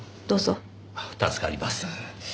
助かります。